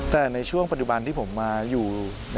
แต่ในช่วงปัจจุบันที่ผมมาอยู่